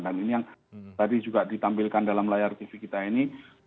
dan ini yang tadi juga ditampilkan dalam layar tv kita ini